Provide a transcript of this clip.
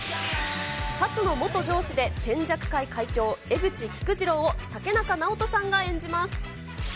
龍の元上司でてんじゃく会会長、江口菊次郎を竹中直人さんが演じます。